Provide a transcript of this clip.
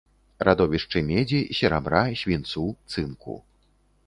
Радовішчы медзі, серабра, свінцу, цынку.